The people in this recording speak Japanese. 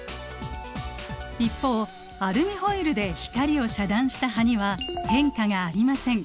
一方アルミホイルで光を遮断した葉には変化がありません。